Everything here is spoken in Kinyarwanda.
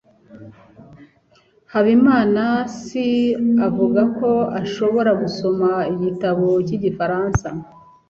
Habimanaasi avuga ko ashobora gusoma igitabo cy'igifaransa.